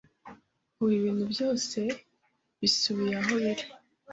Ubu ibintu byose bisubiye aho biri.